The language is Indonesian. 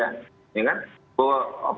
apakah kita kekurangan teknologi